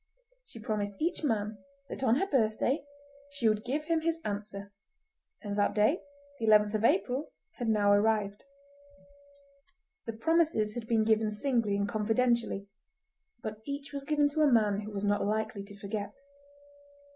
She promised each man that on her birthday she would give him his answer, and that day, the 11th of April, had now arrived. The promises had been given singly and confidentially, but each was given to a man who was not likely to forget.